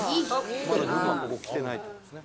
まだ群馬ここきてないっていう事ですね。